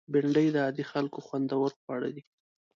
بېنډۍ د عادي خلکو خوندور خواړه دي